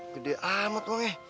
gede amat bang